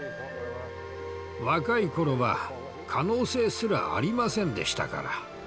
若い頃は可能性すらありませんでしたから。